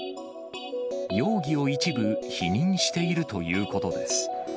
容疑を一部否認しているということです。